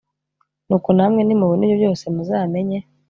nuko namwe nimubona ibyo byose muzamenye